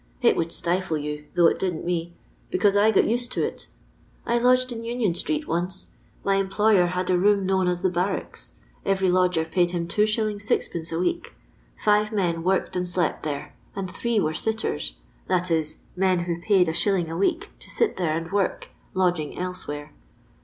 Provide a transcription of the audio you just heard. It wonid stifle you, thouih it didn't me, becaoae I got naed to it. I lodged m Union street once. My employer had a room known aa the ' bairacka ^ ewerj lodger paid him 2s, 6d, a week. Fire men woriced and alept there, and three were siUen — that ia, men who paid Is. a week to ait there and work, lodging elsewhere.